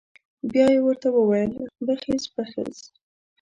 بيا یې ورته وويل بخېز بخېز.